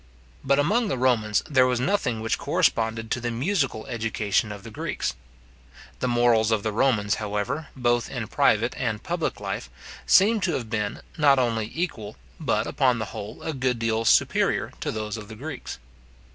But among the Romans there was nothing which corresponded to the musical education of the Greeks. The morals of the Romans, however, both in private and public life, seem to have been, not only equal, but, upon the whole, a good deal superior to those of the Greeks.